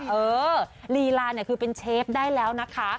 เออลีลาเนี่ยคือเป็นเชฟได้แล้วนะคะ